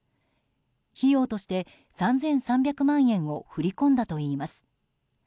費用として３３００万円を振り込んだといいます。